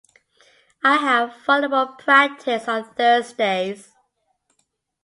I have volleyball practice on Thursdays.